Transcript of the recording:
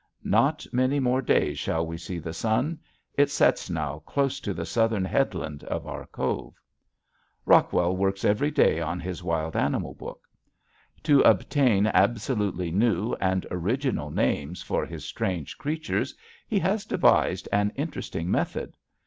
Not many more days shall we see the sun; it sets now close to the southern headland of our cove. Rockwell works every day on his wild animal book. To obtain absolutely new and original names for his strange creatures he has devised an interesting method.